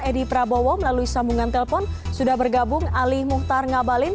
edi prabowo melalui sambungan telpon sudah bergabung ali muhtar ngabalin